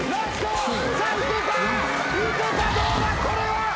⁉これは。